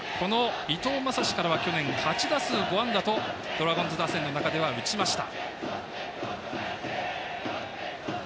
伊藤将司からは８打数５安打とドラゴンズ打線の中では打ちました。